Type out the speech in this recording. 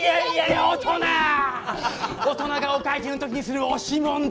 大人がお会計の時にする押し問答！